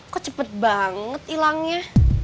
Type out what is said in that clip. kok cepet banget hilangnya